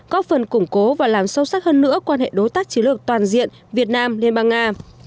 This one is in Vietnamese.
có phần củng cố và làm sâu sắc hơn nữa quan hệ đối tác chiến lược toàn diện việt nam liên bang nga